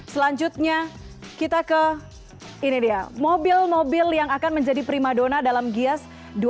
selanjutnya kita ke mobil mobil yang akan menjadi prima dona dalam gias dua ribu delapan belas